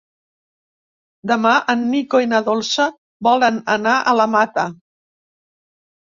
Demà en Nico i na Dolça volen anar a la Mata.